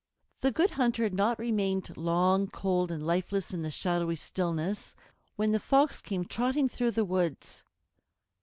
The Good Hunter had not remained long cold and lifeless in the shadowy stillness, when the Fox came trotting through the woods.